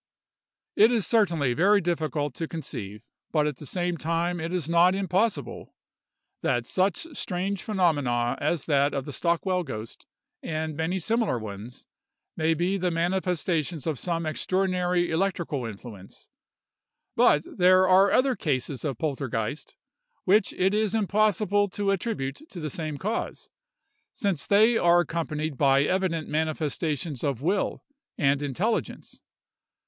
It is certainly very difficult to conceive, but at the same time it is not impossible, that such strange phenomena as that of the Stockwell ghost, and many similar ones, may be the manifestations of some extraordinary electrical influence; but there are other cases of poltergeist which it is impossible to attribute to the same cause, since they are accompanied by evident manifestations of will and intelligence.